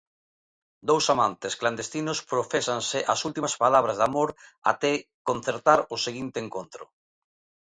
Dous amantes clandestinos profésanse as últimas palabras de amor até concertar o seguinte encontro.